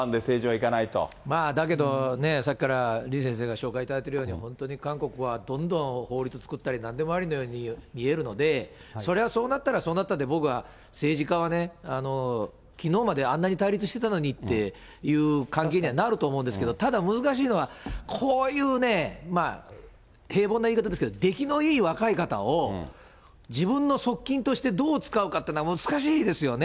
まあ、だけどね、さっきから李先生が紹介いただいているように、本当に韓国はどんどん法律作ったり、なんでもありのように見えるので、それはそうなったらそうなったで、僕は、政治家はきのうまであんなに対立してたのにっていう関係にはなると思うんですけど、ただ、難しいのは、こういう、平凡な言い方ですけど、出来のいい若い方を、自分の側近としてどう使うかっていうのは、難しいですよね。